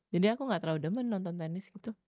jadi aku gak terlalu demen nonton tenis gitu